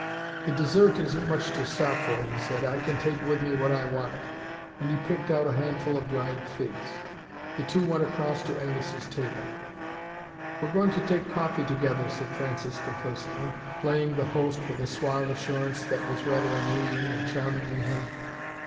"The dessert isn't much to stop for," he said. "I can take with me what I want." And he picked out a handful of dried figs. The two went across to Angus' table. "We're going to take coffee together," said Francis complacently, playing the host with a suave assurance that was rather amusing and charming in him.